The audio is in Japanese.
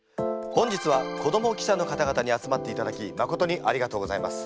本日は子ども記者の方々に集まっていただきまことにありがとうございます。